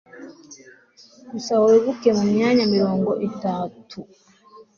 gusa wibuke mumyaka mirongo itatu